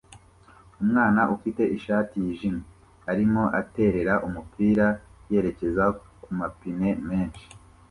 Umwana ufite ishati yijimye arimo aterera umupira yerekeza kumapine menshi